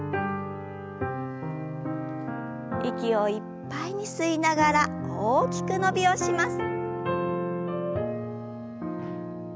息をいっぱいに吸いながら大きく伸びをします。